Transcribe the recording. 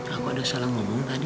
aku ada salah ngomong tadi